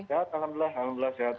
sehat alhamdulillah alhamdulillah sehat